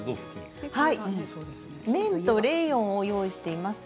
綿とレーヨンを用意しています。